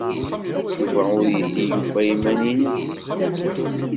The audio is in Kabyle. Yuba ur yelli yufa iman-nnes.